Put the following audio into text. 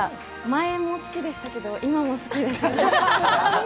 前も好きでしたけど、今も好きです。